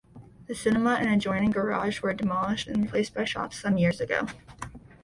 The cinema and adjoining garage were demolished and replaced by shops some years ago.